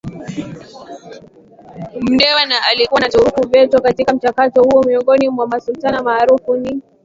Mndewa Na ilikuwa na turufu Veto katika mchakato huoMiongoni mwa Masultana maarufu ni